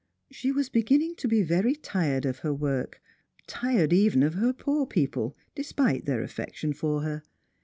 She was beginning to be very tired of her work, tired even of her poor people, despite their afiection for her.